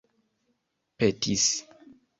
petis